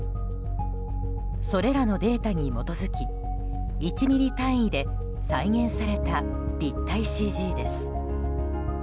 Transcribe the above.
それらのデータに基づき１ｍｍ単位で再現された立体ＣＧです。